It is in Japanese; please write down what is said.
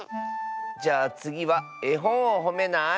じゃあつぎはえほんをほめない？